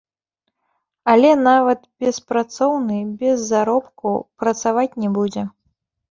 Але нават беспрацоўны без заробку працаваць не будзе.